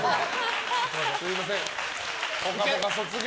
すみません。